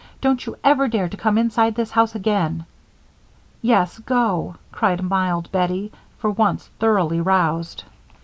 "Don't you ever dare to come inside this house again!" "Yes, go," cried mild Bettie, for once thoroughly roused.